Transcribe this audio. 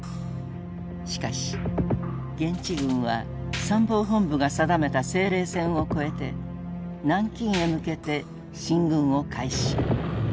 しかし現地軍は参謀本部が定めた制令線を越えて南京へ向けて進軍を開始。